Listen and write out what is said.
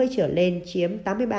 trở lên chiếm tám mươi ba năm